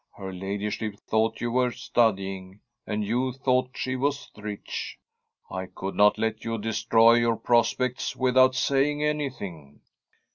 Her ladyship thought you were studying, and you thought she was rich. I could not let you destroy your prospects without saying anything.'